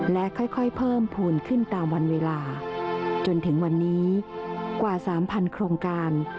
และค่อยเพิ่มภูมิขึ้นตามวันเวลาจนถึงวันนี้กว่า๓๐๐โครงการ